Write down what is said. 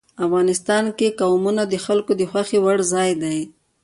افغانستان کې قومونه د خلکو د خوښې وړ ځای دی.